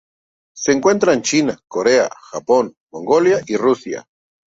Se encuentra en China, Corea, Japón Mongolia y Rusia.